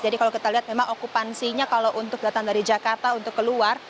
jadi kalau kita lihat memang okupansinya kalau untuk datang dari jakarta untuk keluar